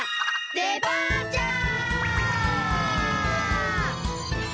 デパーチャー！